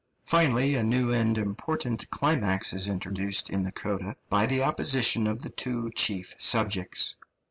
Finally, a new and important climax is introduced in the coda by the opposition of the two chief subjects.